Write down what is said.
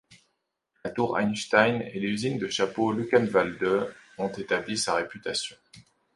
La tour Einstein et l’usine de chapeaux de Luckenwalde ont établi sa réputation.